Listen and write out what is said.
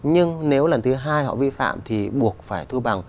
nhưng nếu lần thứ hai họ vi phạm thì buộc phải thu bằng